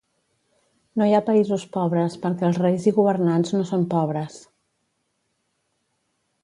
No hi ha països pobres perquè els Reis i governants no són pobres